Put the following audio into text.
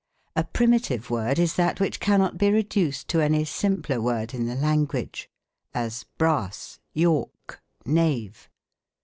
A primitive word is that which cannot be reduced to any simpler word in the language; as, brass, York, knave.